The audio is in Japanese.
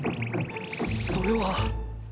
そそれは。